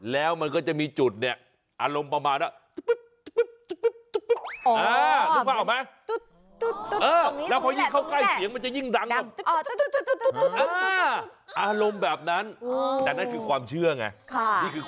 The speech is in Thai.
แล้วมันก็จะมีจุดเนี่ยอารมณ์ประมาณว่าตุ๊บตุ๊บตุ๊บตุ๊บตุ๊บ